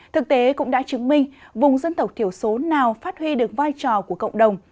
thực tế cũng đã chứng minh vùng dân tộc thiểu số nào phát huy được vai trò của cộng đồng